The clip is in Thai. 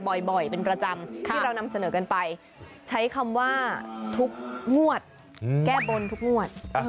บ่อยเป็นประจำที่เรานำเสนอกันไปใช้คำว่าทุกงวดแก้บนทุกงวด